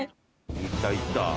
いったいった。